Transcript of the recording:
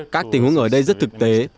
các tình huống ở đây rất thực tế